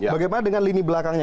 bagaimana dengan lini belakangnya